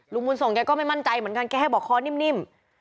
บุญส่งแกก็ไม่มั่นใจเหมือนกันแกให้บอกคอนิ่ม